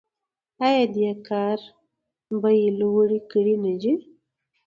آیا دې کار بیې لوړې کړې نه دي؟